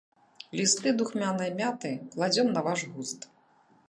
Лісты духмянай мяты кладзём на ваш густ.